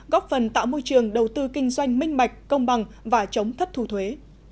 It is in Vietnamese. góp phần tạo môi trường đầu tư kinh doanh minh bạch công bằng và chống thất thu thuế